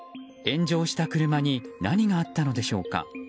炎上した車に何があったのでしょうか。